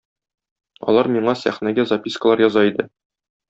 Алар миңа сәхнәгә запискалар яза иде.